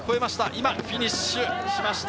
今、フィニッシュしました。